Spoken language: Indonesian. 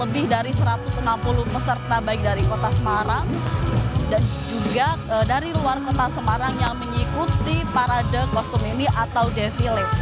lebih dari satu ratus enam puluh peserta baik dari kota semarang dan juga dari luar kota semarang yang mengikuti parade kostum ini atau defile